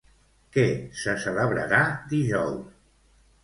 Què se celebrarà dijous?